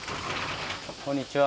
こんにちは。